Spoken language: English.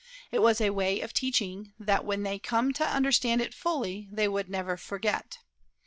It was a way of teaching that, when they came to understand it fully, they never would forget.